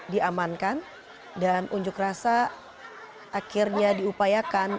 diamankan dan unjuk rasa akhirnya diupayakan